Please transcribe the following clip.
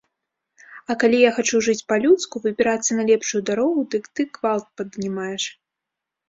А калі я хачу жыць па-людску, выбірацца на лепшую дарогу, дык ты гвалт паднімаеш.